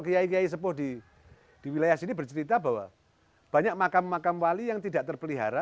kiai kiai sepuh di wilayah sini bercerita bahwa banyak makam makam wali yang tidak terpelihara